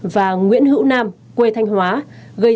và nguyễn hữu nam quê thành phố biên hòa